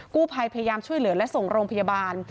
กู้ภัยพยายามช่วยเหลือและส่งโรงพยาบาล